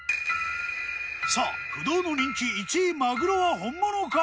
さあ不動の人気１位まぐろは本物か？